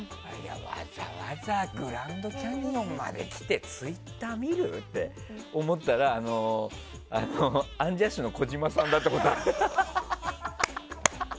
わざわざグランドキャニオンまで来てツイッター見る？って思ったらアンジャッシュの児嶋さんだったの。